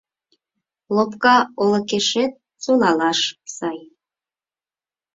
Лопка олыкешет солалаш сай.